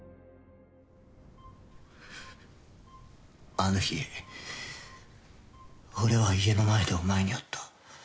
あの日俺は家の前でお前に会った。